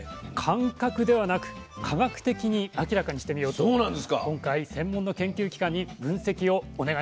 感覚ではなく科学的に明らかにしてみようと今回専門の研究機関に分析をお願いしたんです。